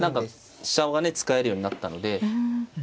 飛車がね使えるようになったので。